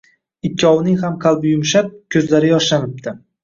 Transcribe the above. Ikkovining ham qalbi yumshab ko`zlari yoshlanibdi